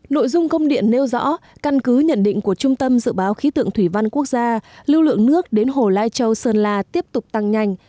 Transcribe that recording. nội dung công điện nêu rõ căn cứ nhận định của trung tâm dự báo khí tượng thủy văn quốc gia lưu lượng nước đến hồ lai châu sơn la tiếp tục tăng nhanh